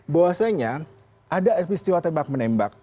bahwasanya ada peristiwa tembak menembak